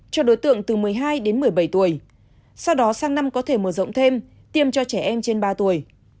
cho đối tượng từ một mươi hai đến một mươi bảy tuổi sau đó sang năm có thể mở rộng thêm tiêm cho trẻ em trên ba tuổi